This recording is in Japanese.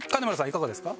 いかがですか？